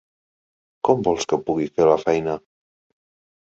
Com vols que pugui fer la feina?